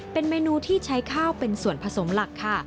เป็นเมนูที่ใช้ข้าวเป็นส่วนผสมหลักค่ะ